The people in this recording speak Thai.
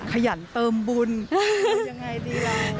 ขยันเติมบุญยังไงดีล่ะ